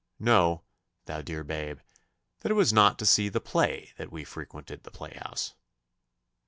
'Know, thou dear babe, that it was not to see the play that we frequented the playhouse.